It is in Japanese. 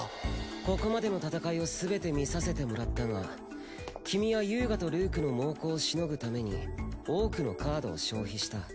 ここまでの戦いをすべて見させてもらったが君は遊我とルークの猛攻をしのぐために多くのカードを消費した。